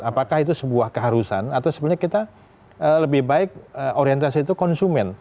apakah itu sebuah keharusan atau sebenarnya kita lebih baik orientasi itu konsumen